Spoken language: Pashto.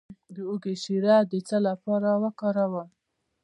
د هوږې شیره د څه لپاره وکاروم؟